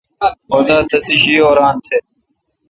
خدا تسے°شی۔ اوران تہ۔